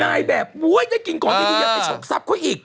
นายแบบได้กินของดียังไปชกทรัพย์เขาอีก